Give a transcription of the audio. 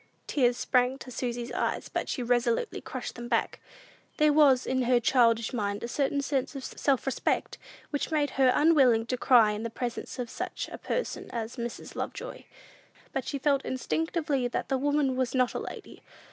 Tears sprang to Susy's eyes, but she resolutely crushed them back. There was, in her childish mind, a certain sense of self respect, which made her unwilling to cry in the presence of such a person as Mrs. Lovejoy. She felt instinctively that the woman was not a lady.